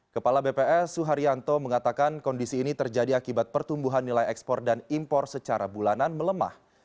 kepala bps suharyanto mengatakan kondisi ini terjadi akibat pertumbuhan nilai ekspor dan impor secara bulanan melemah